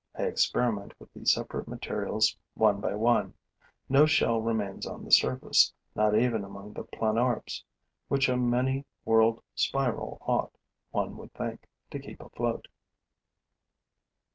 I experiment with the separate materials one by one. No shell remains on the surface, not even among the Planorbes, which a many whorled spiral ought, one would think, to keep afloat.